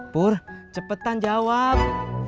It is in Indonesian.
pur cepetan jawab